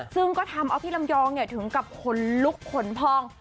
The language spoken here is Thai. ซึ่งก็ทำเอาพี่ลำยองถึงกับขนลุกขนพอง